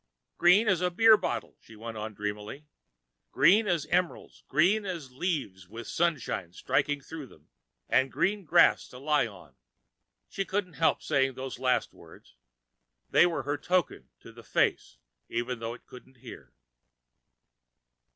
"Green as a beer bottle," she went on dreamily, "green as emeralds, green as leaves with sunshine striking through them and green grass to lie on." She couldn't help saying those last words. They were her token to the face, even though it couldn't hear.